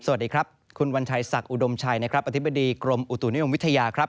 สวัสดีครับคุณวัญชัยศักดิอุดมชัยนะครับอธิบดีกรมอุตุนิยมวิทยาครับ